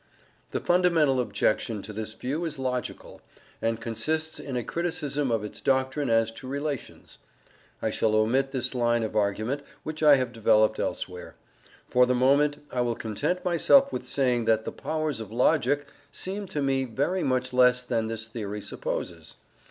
The fundamental objection to this view is logical, and consists in a criticism of its doctrine as to relations. I shall omit this line of argument, which I have developed elsewhere.* For the moment I will content myself with saying that the powers of logic seem to me very much less than this theory supposes.